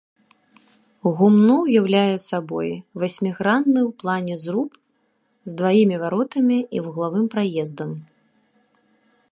Гумно ўяўляе сабой васьмігранны ў плане зруб з дваімі варотамі і вуглавым праездам.